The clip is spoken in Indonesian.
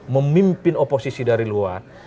memimpin oposisi dari luar